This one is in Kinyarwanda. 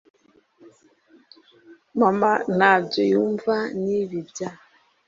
mama ntabyo yumva n'ibi bya